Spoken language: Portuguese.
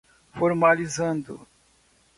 formalizando